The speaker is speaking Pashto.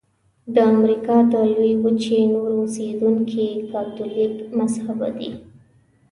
د امریکا د لویې وچې نور اوسیدونکي کاتولیک مذهبه دي.